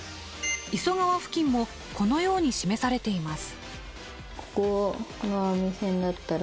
磯川付近もこのように示されています。